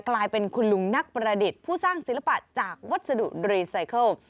กลายเป็นคุณลุงนักประดิษฐ์ผู้สร้างศิลปะจากวัสดุรีไซเคิล